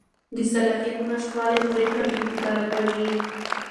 د صلاحیت نشتوالی پرېکړه بېاعتباره کوي.